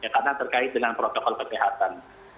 karena terkait dengan protokol kesehatan